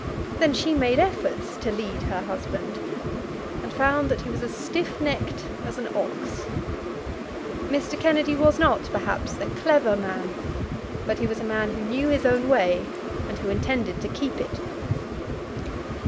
Then she made efforts to lead her husband, and found that he was as stiff necked as an ox. Mr. Kennedy was not, perhaps, a clever man; but he was a man who knew his own way, and who intended to keep it.